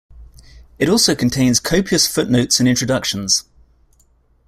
It also contains copious footnotes and introductions.